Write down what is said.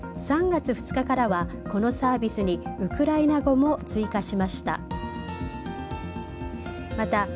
３月２日からはこのサービスにウクライナ語も追加しました。